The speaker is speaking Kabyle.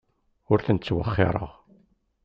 Ur ten-ttwexxireɣ.